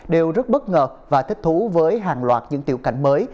đều rất bất ngờ và thích thú với hàng loạt những tiểu cảnh mới